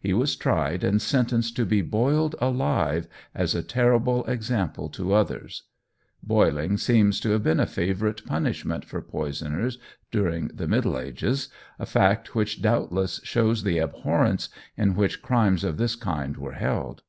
He was tried, and sentenced to be boiled alive as a terrible example to others. Boiling seems to have been a favourite punishment for poisoners during the Middle Ages, a fact which, doubtless, shows the abhorrence in which crimes of this kind were held.